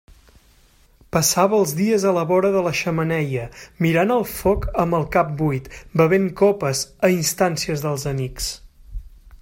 Passava els dies a la vora de la xemeneia, mirant el foc amb el cap buit, bevent copes a instàncies dels amics.